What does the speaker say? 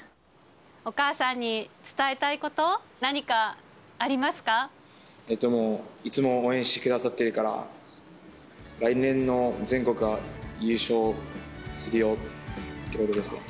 お母さんに伝えたいこと、でも、いつも応援してくださってるから、来年の全国は優勝するよということですかね。